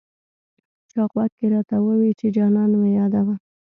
چا غوږ کې راته وویې چې جانان مه یادوه.